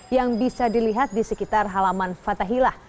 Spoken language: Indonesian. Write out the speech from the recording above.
yang bisa dilihat di sekitar halaman fathahillah